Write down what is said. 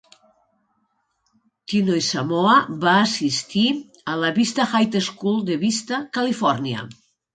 Tinoisamoa va assistir a la Vista High School de Vista, Califòrnia.